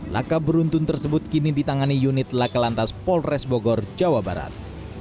laka beruntun tersebut kini ditangani unit lakalantas polres bogor jawa barat